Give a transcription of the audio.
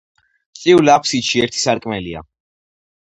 წრიულ აფსიდში ერთი სარკმელია.